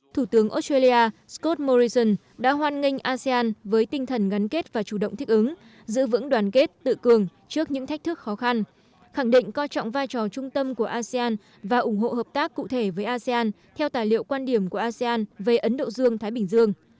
thủ tướng australia scott morrison đã hoan nghênh asean với tinh thần gắn kết và chủ động thích ứng giữ vững đoàn kết tự cường trước những thách thức khó khăn khẳng định coi trọng vai trò trung tâm của asean và ủng hộ hợp tác cụ thể với asean theo tài liệu quan điểm của asean về ấn độ dương thái bình dương